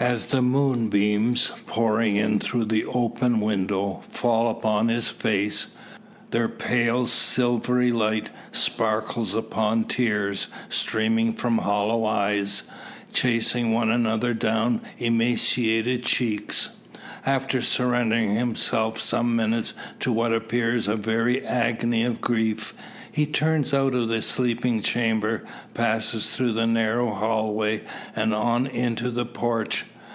As the moonbeams, pouring in through the open window, fall upon his face, their pale silvery light sparkles upon tears, streaming from hollow eyes, chasing one another down emaciated cheeks. After surrendering himself some minutes to what appears a very agony of grief, he turns out of the sleeping chamber; passes through the narrow hall way; and on into the porch.